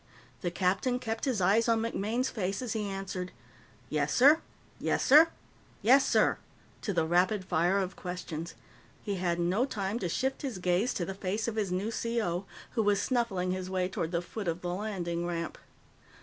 The captain kept his eyes on MacMaine's face as he answered "Yes, sir; yes, sir; yes, sir," to the rapid fire of questions. He had no time to shift his gaze to the face of his new C.O., who was snuffling his way toward the foot of the landing ramp.